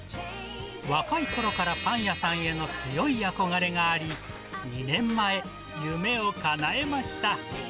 若いころからパン屋さんへの強い憧れがあり、２年前、夢をかなえました。